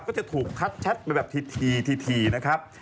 ก็จะถูกคัดแชทไปแบบทีนะครับ